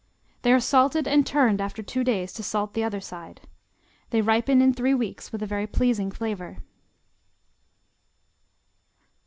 They are salted and turned after two days to salt the other side. They ripen in three weeks with a very pleasing flavor.